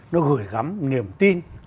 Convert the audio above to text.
nó gửi gắm niềm tin